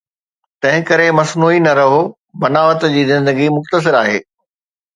تنهنڪري مصنوعي نه رهو، بناوت جي زندگي مختصر آهي.